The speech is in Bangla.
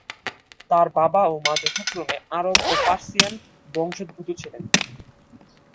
তার বাবা ও মা যথাক্রমে আরব ও পারসিয়ান বংশোদ্ভূত ছিলেন।